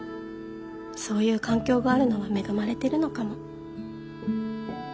そういう環境があるのは恵まれてるのかも。